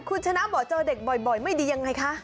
คุณชนะบอกเจอเด็กบ่อยไม่ดียังไงคะ